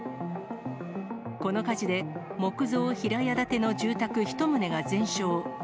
この火事で、木造平屋建ての住宅１棟が全焼。